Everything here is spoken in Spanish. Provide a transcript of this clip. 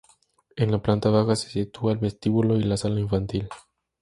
En la planta baja se sitúa el vestíbulo y la sala infantil.